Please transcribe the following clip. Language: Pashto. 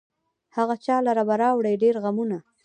هغه چا لره به راوړي ډېر غمونه